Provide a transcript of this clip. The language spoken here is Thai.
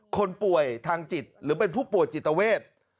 คนป่วยทางจิตหรือเป็นผู้ป่วยจิตเวท